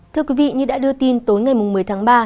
thưa quý vị như đã đưa tin tối ngày một mươi tháng ba